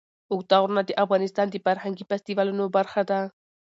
اوږده غرونه د افغانستان د فرهنګي فستیوالونو برخه ده.